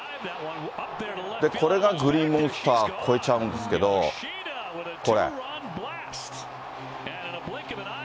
これがグリーンモンスター越えちゃうんですけど、これ。